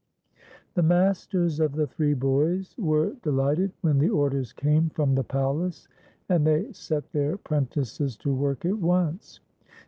The masters of the three boys were delighted when the orders came from the palace, and they set their prentices to work at once.